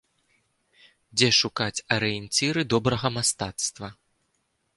Дзе шукаць арыенціры добрага мастацтва?